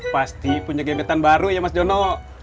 pasti punya gemetan baru ya mas jono